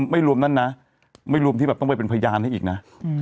ไม่รวมนั้นนะไม่รวมที่แบบต้องไปเป็นพยานให้อีกนะ